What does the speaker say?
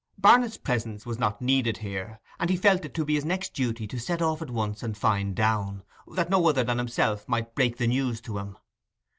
Barnet's presence was not needed here, and he felt it to be his next duty to set off at once and find Downe, that no other than himself might break the news to him.